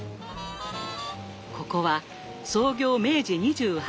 ここは創業明治２８年。